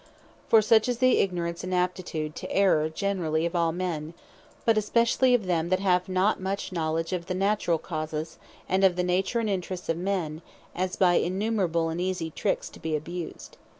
For such is the ignorance, and aptitude to error generally of all men, but especially of them that have not much knowledge of naturall causes, and of the nature, and interests of men; as by innumerable and easie tricks to be abused.